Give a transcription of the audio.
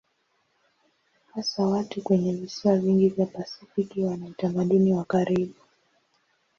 Hasa watu kwenye visiwa vingi vya Pasifiki wana utamaduni wa karibu.